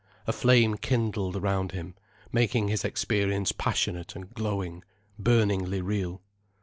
A flame kindled round him, making his experience passionate and glowing, burningly real.